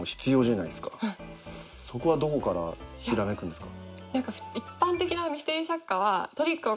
そこはどこからひらめくんですか？